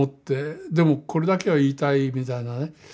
でもこれだけは言いたいみたいなね